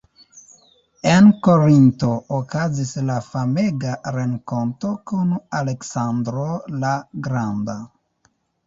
En Korinto okazis la famega renkonto kun Aleksandro la Granda.